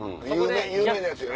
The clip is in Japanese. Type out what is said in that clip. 有名なやつよね。